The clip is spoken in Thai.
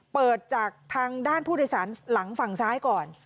เปิดจากทางด้านผู้โดยสารหลังฝั่งซ้ายก่อน